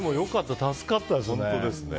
助かったですね。